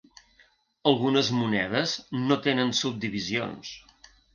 Algunes monedes no tenen subdivisions.